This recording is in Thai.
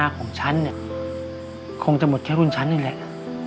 ลักษณะของฉันคงจะหมดแค่รุ่นฉันนี่แหละ